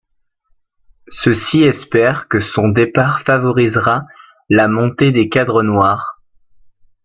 Ceux-ci espèrent que son départ favorisera la montée des cadres noirs.